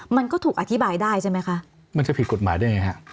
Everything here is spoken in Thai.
มันก็ถูกอธิบายได้ใช่ไหมคะมันจะผิดกฎหมายได้ไงฮะ